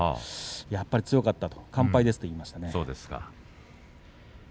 やっぱり強かった完敗ですと言いました。